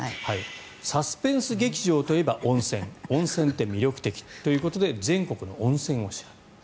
「サスペンス劇場」といえば温泉温泉って魅力的ということで全国の温泉を調べた。